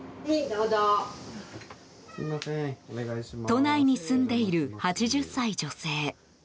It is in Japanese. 都内に住んでいる８０歳女性。